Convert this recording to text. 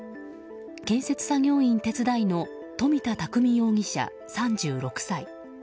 建設作業員手伝いの富田匠容疑者、３６歳。